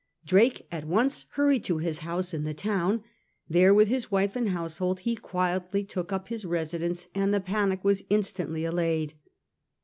Drake at once hurried to his house in the town. There with his wife and household he quietly took up his residence and the panic was instantly allayed.